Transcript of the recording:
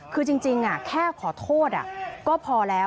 คือจริงแค่ขอโทษก็พอแล้ว